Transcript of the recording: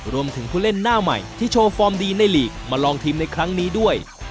ผู้เล่นหน้าใหม่ที่โชว์ฟอร์มดีในลีกมาลองทีมในครั้งนี้ด้วย